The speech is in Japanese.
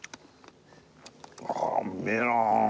ああうめえなあ。